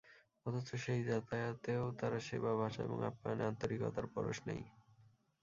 অথচ সেই যাতায়াতেও তারা সেবা, ভাষা এবং আপ্যায়নে আন্তরিকতার পরশ নেই।